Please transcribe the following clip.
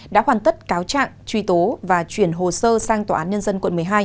đã hoàn tất cáo trạng truy tố và chuyển hồ sơ sang tòa án nhân dân quận một mươi hai